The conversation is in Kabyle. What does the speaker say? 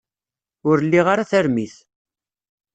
Ur liɣ ara tarmit.